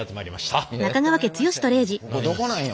ここどこなんよ？